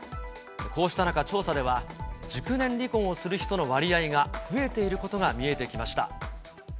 こうした中、調査では熟年離婚をする人の割合が増えていることが見えてきました。